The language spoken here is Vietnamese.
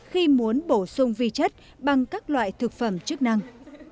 khi muốn bổ sung vi chất bằng các loại thực phẩm chức năng